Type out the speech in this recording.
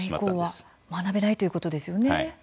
それ以降は学べないということですよね。